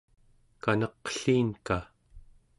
kanaqliinka